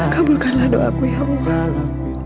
kaburkanlah doaku ya allah